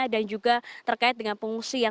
dan juga terkait dengan pengusia yang sudah berjalan